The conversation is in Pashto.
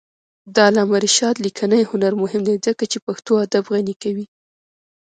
د علامه رشاد لیکنی هنر مهم دی ځکه چې پښتو ادب غني کوي.